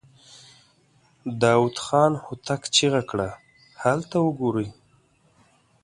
داوود خان هوتک چيغه کړه! هلته وګورئ!